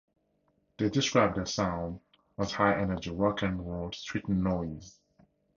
They describe their sound as high energy Rock and Roll Street Noize.